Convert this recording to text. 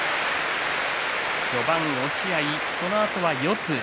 序盤、押し合いそのあとは四つ。